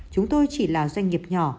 chúng tôi chỉ là doanh nghiệp nhỏ